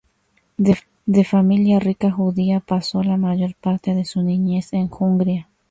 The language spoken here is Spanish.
De familia rica judía, pasó la mayor parte de su niñez en Hungría.